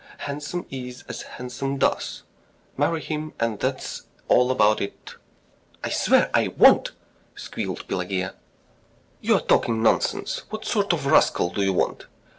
Handsome is as handsome does. ... Marry him and that's all about it!" "I swear I won't," squealed Pelageya. "You are talking nonsense. What sort of rascal do you want?